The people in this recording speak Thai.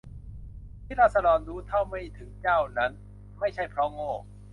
ที่ราษฎรรู้เท่าไม่ถึงเจ้านั้น ไม่ใช่เพราะโง่